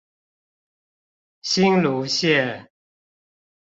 新蘆線